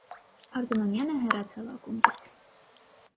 Արզումանյանը հեռացավ ակումբից։